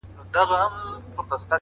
• او دا بل جوال د رېګو چلومه,